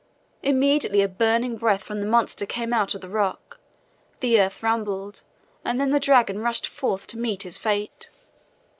Immediately a burning breath from the monster came out of the rock, the earth rumbled and then the dragon rushed forth to meet his fate.